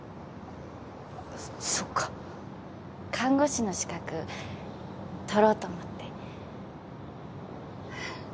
看護師の資格取ろうと思って。